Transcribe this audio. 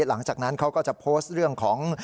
หลังจากนั้นเขาก็จะโพสต์เรื่องของ